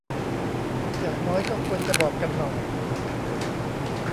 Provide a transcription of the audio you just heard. อย่างน้อยก็ควรจะบอกกันหน่อย